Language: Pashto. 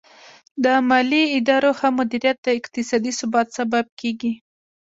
د مالي ادارو ښه مدیریت د اقتصادي ثبات سبب کیږي.